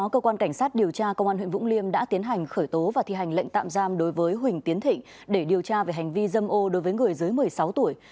cơ quan cảnh sát điều tra công an huyện vũng liêm đã tiến hành khởi tố và thi hành lệnh tạm giam đối với huỳnh tiến thịnh để điều tra về hành vi dâm ô đối với người dưới một mươi sáu tuổi